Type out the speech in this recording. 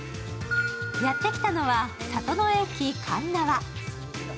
やって来たのは里の駅かんなわ。